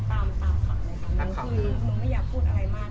ตามตามข่าวเลยค่ะค่ะค่ะคือมึงไม่อยากพูดอะไรมากค่ะ